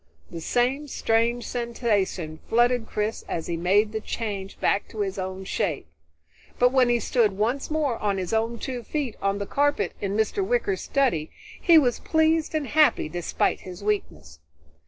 The same strange sensations flooded Chris as he made the change back to his own shape, but when he stood once more on his own two feet on the carpet in Mr. Wicker's study, he was pleased and happy despite his weakness.